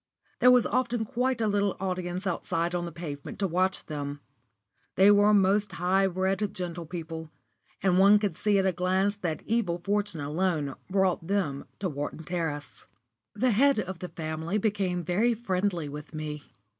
There was often quite a little audience outside on the pavement to watch them. They were most high bred gentlepeople, and one could see at a glance that evil fortune alone brought them to Wharton Terrace. The head of the family became very friendly with me.